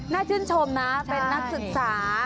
น่าชื่นชมนะเป็นนักสุดสา